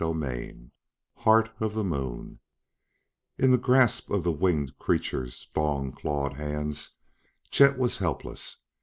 CHAPTER VI Heart of the Moon In the grasp of the winged creatures' long, clawed hands Chet was helpless.